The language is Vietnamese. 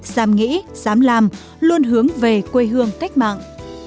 dám nghĩ dám làm luôn hướng về quê hương cách mạng